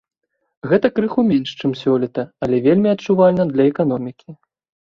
Гэта крыху менш, чым сёлета, але вельмі адчувальна для эканомікі.